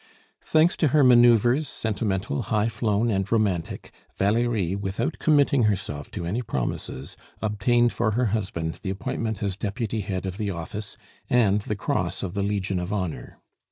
Thanks to her manoeuvres, sentimental, high flown, and romantic, Valerie, without committing herself to any promises, obtained for her husband the appointment as deputy head of the office and the Cross of the Legion of Honor.